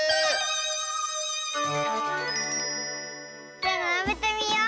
じゃならべてみよう。